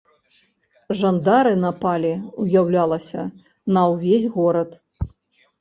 Жандары напалі, уяўлялася, на ўвесь горад.